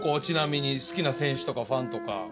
ちなみに好きな選手とかファンとか。